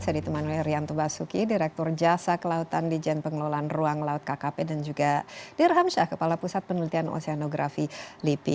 saya ditemani rianto basuki direktur jasa kelautan di jen pengelolaan ruang laut kkp dan juga dir hamsyah kepala pusat penelitian oseanografi lipi